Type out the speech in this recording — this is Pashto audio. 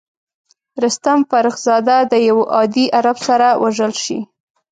رستم فرخ زاد د یوه عادي عرب سره وژل شي.